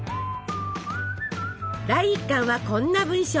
第１巻はこんな文章。